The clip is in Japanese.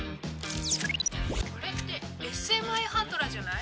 これってＳＭＩハンドラじゃない？